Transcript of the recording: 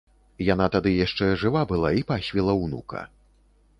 Яна тады яшчэ жыва была й пасвіла ўнука.